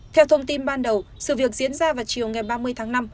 theo thông tin ban đầu sự việc diễn ra vào chiều ngày ba mươi tháng năm